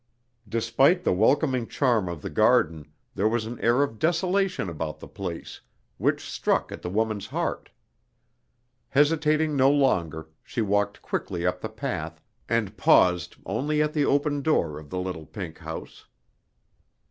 Despite the welcoming charm of the garden, there was an air of desolation about the place, which struck at the woman's heart. Hesitating no longer, she walked quickly up the path, and paused only at the open door of the little pink house.